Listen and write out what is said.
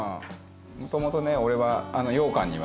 もともとね俺は。